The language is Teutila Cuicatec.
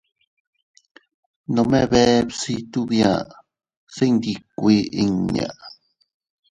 Nome bee bsitu bia, se iyndikkue inña.